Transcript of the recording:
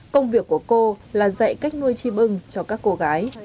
công việc của cô là dạy cách nuôi chim ưng cho các cô gái